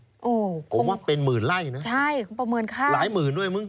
โอ้โฮคุณต้องผมว่าเป็นหมื่นไร่นะลายหมื่นด้วยมึง